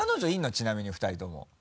ちなみに２人とも。